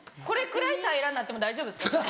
これくらい平らになっても大丈夫ですか？